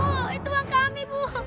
oh itu uang kami bu